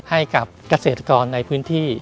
ให้กับเกษตรกรในพื้นที่